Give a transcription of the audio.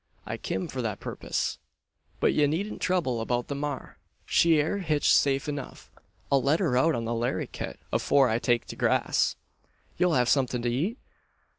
"I kim for that purpiss. But ye needn't trouble about the maar: she air hitched safe enuf. I'll let her out on the laryitt, afore I take to grass." "You'll have something to eat?